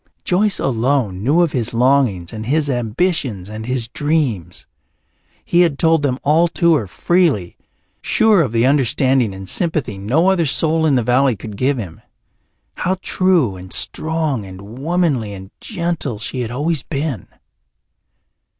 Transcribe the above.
Joyce alone knew of his longings and his ambitions and his dreams; he had told them all to her freely, sure of the understanding and sympathy no other soul in the valley could give him. How true and strong and womanly and gentle she had always been!